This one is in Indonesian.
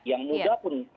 yang muda pun